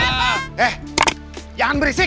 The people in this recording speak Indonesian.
eh jangan berisik